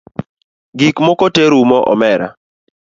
Gikmoko te rumo omera